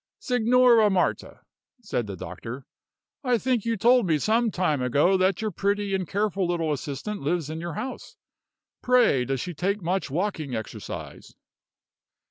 "Signora Marta," said the doctor, "I think you told me some time ago that your pretty and careful little assistant lives in your house. Pray, does she take much walking exercise?"